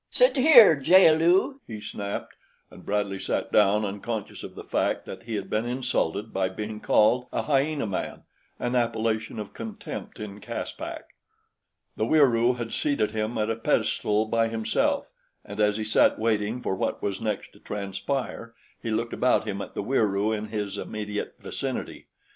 "Sit here, jaal lu," he snapped, and Bradley sat down unconscious of the fact that he had been insulted by being called a hyena man, an appellation of contempt in Caspak. The Wieroo had seated him at a pedestal by himself, and as he sat waiting for what was next to transpire, he looked about him at the Wieroo in his immediate vicinity.